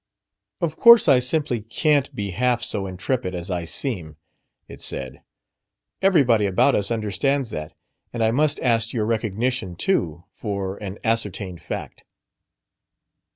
"Of course I simply can't be half so intrepid as I seem!" it said. "Everybody about us understands that, and I must ask your recognition too for an ascertained fact."